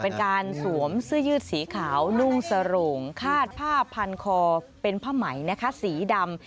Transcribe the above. เป็นการสวมเสื้อยืดสีขาวนุ่งสโรงคาดผ้าพันคอเป็นผ้าไหมนะคะสีดำ